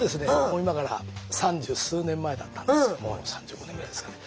もう今から三十数年前だったんですけども３５年ぐらいですかね。